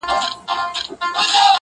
ستا وه ديدن ته هواداره يمه.